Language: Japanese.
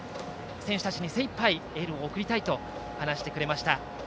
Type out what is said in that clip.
選手たちに精いっぱいエールを送りたいと話してくれました。